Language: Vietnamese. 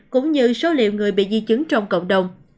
cũng như số liệu người bị di chứng trong cộng đồng